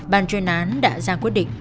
bàn truyền án đã ra quyết định